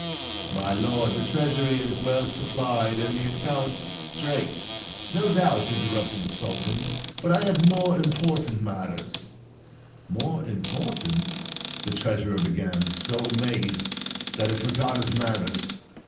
"My lord, the treasury is well supplied, and the accounts straight —"" No doubt," interrupted the Sultan; "but I have more im portant matters —" "More important —" the Treasurer began, so amazed that he forgot his manners.